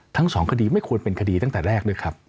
ทั้งสองคดีไม่ควรเป็นคดีตั้งแต่แรกด้วยครับ